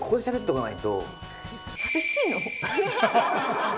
寂しいの？